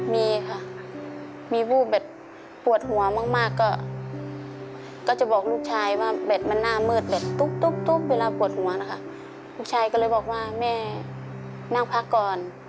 มีค่ะมีวูบแบบปวดหัวมากก็